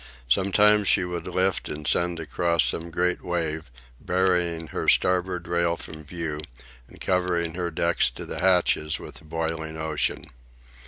Sometimes she would lift and send across some great wave, burying her starboard rail from view, and covering her deck to the hatches with the boiling ocean.